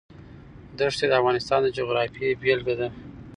ښتې د افغانستان د جغرافیې بېلګه ده.